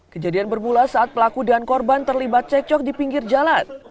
kejadian bermula saat pelaku dan korban terlibat cekcok di pinggir jalan